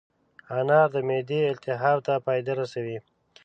انار د معدې التهاب ته فایده لري.